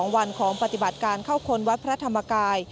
วันของปฏิบัติการเข้าคนวัดพระธรรมกาย